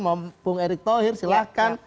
mau bung erick thohir silahkan